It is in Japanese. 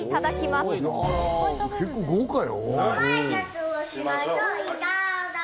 結構、豪華よ。